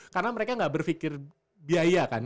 karena mereka gak berfikir biaya kan